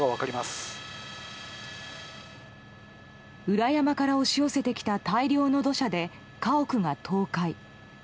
裏山から押し寄せてきた大量の土砂で家屋が倒壊。